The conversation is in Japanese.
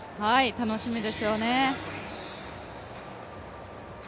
楽しみですよね。